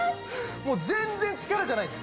もう全然力じゃないんです。